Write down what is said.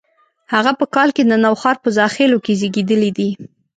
هغه په کال کې د نوښار په زاخیلو کې زیږېدلي دي.